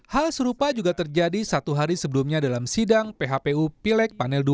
hal serupa juga terjadi satu hari sebelumnya dalam sidang phpu pilek panel dua